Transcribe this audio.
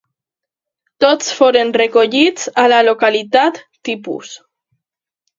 Tots foren recollits a la localitat tipus.